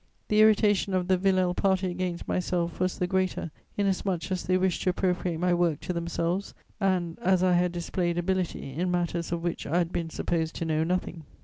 The irritation of the Villèle party against myself was the greater inasmuch as they wished to appropriate my work to themselves and as I had displayed ability in matters of which I had been supposed to know nothing.